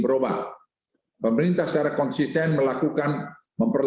dari posisi level ppkm terjadi peningkatan jumlah kabupaten kota yang masuk level satu